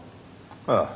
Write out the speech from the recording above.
ああ。